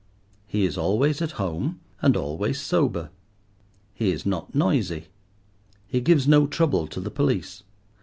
He is always at home, and always sober. He is not noisy. He gives no trouble to the police.